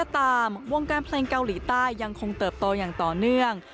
ตามวงการเพลงเกาหลีใต้ยังคงเติบโตอย่างต่อเนื่อง